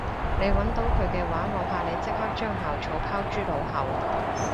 你搵到佢嘅話我怕你即刻將校草拋諸腦後